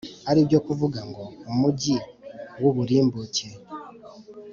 ari byo kuvuga ngo: umugi w’uburimbuke.